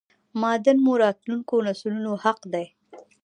معادن مو راتلونکو نسلونو حق دی!!